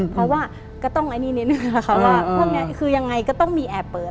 เพราะว่าก็ต้องไอ้นี่นิดนึงนะคะว่าพวกนี้คือยังไงก็ต้องมีแอบเปิด